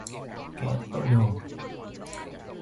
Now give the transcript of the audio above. kẻ tội đồ